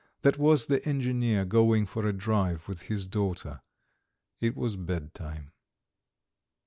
That was the engineer going for a drive with his daughter. It was bedtime.